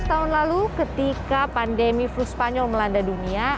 seratus tahun lalu ketika pandemi flu spanyol melanda dunia